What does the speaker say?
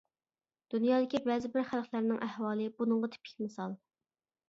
دۇنيادىكى بەزى بىر خەلقلەرنىڭ ئەھۋالى بۇنىڭغا تىپىك مىسال.